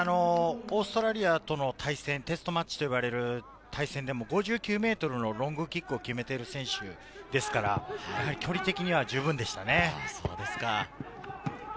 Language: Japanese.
オーストラリアとの対戦、テストマッチといわれる対戦でも５９ｍのロングキックを決めてる選手ですから、距離的には十分でしたね。